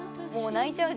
泣いちゃう